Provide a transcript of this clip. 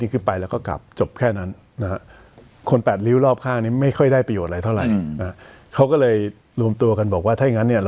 นี่คือไปแล้วก็กลับจบแค่นั้นนะฮะคนแปดริ้วรอบข้างนี้